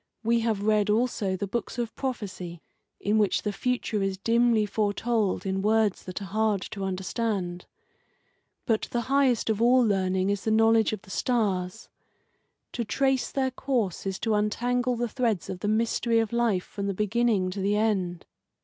We have read also the books of prophecy in which the future is dimly foretold in words that are hard to understand. But the highest of all learning is the knowledge of the stars. To trace their course is to untangle the threads of the mystery of life from the beginning to the end.